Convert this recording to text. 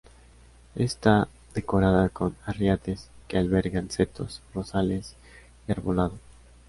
Está decorada con arriates que albergan setos, rosales y arbolado.